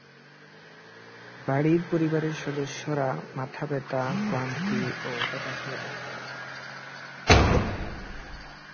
বাড়ির পরিবারের সদস্যরা মাথাব্যথা, ক্লান্তি ও হতাশায় ভূগতেন।